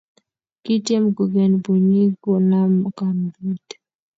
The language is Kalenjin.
kityem kuken bunyik konam kambit.